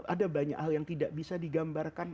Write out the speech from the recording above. ada banyak hal yang tidak bisa digambarkan